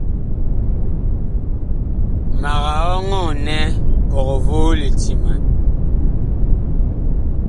Mag ɔŋɔɔ nɛ ɔg voo litiman.